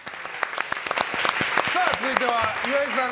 続いては、岩井さん